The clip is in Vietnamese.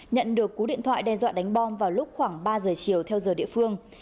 nhận được cú điện thoại đe dọa đánh bom vào lúc khoảng ba giờ chiều theo giờ địa phương